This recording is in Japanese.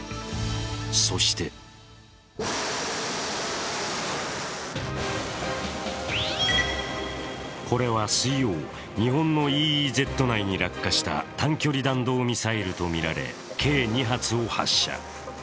そしてこれは水曜、日本のＥＥＺ内に落下した短距離弾道ミサイルとみられ、計２発を発射。